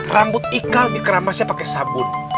rambut ikal dikeramasnya pakai sabun